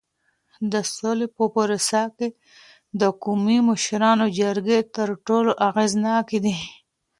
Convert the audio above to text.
د سولې په پروسه کي د قومي مشرانو جرګې تر ټولو اغیزناکي دي.